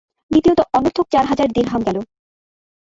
দ্বিতীয়ত অনর্থক চার হাজার দিরহাম গেল।